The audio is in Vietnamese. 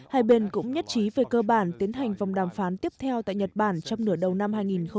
hai bên cũng nhất trí về cơ bản tiến hành vòng đàm phán tiếp theo tại nhật bản trong nửa đầu năm hai nghìn hai mươi